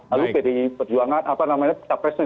lalu pd perjuangan capresnya